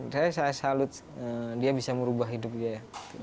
saya salut dia bisa merubah hidupnya